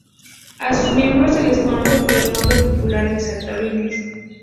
A sus miembros se les conoce por el nombre popular de saltarines.